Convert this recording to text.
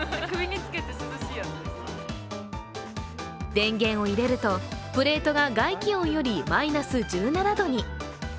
電源を入れるとプレートが外気温よりマイナス１７度に。